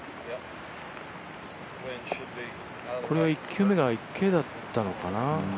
これは１球目が池だったのかな？